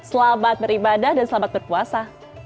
selamat beribadah dan selamat berpuasa